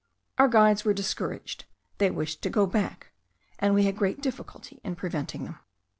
Our guides were discouraged; they wished to go back, and we had great difficulty in preventing them.